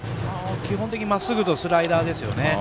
基本的にまっすぐとスライダーですね。